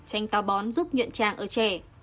tranh tào bón giúp nhuận tràng ở trẻ